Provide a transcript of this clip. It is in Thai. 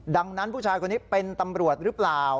ดังนั้นผู้ชายคนนี้เป็นตำรวจหรือเปล่า